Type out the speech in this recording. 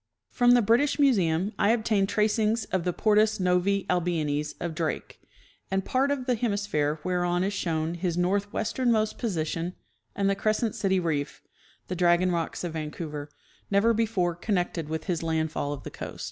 From the British Museum I obtained tracings of the Portus Novse Albionis of Drake, and part of the hemisphere whereon is shown his northwesternmost position and the Crescent City reef (the Dragon rocks of Vancouver), never before connected with his landfall of the coast.